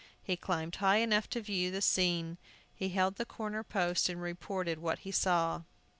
He climbed high enough to view the scene. He held to the corner post and reported what he saw.